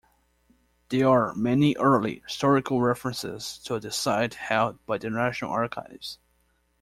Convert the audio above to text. There are many early historical references to the site held by the National Archives.